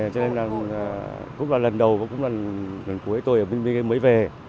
cho nên là cũng là lần đầu cũng là lần cuối tôi mới về